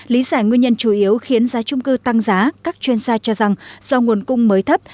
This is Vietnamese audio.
lý giải nguyên nhân chủ yếu khiến giá trung cư tăng giá các chuyên gia cho rằng do nguồn cung mới thấp